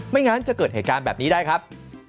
งั้นจะเกิดเหตุการณ์แบบนี้ได้ครับ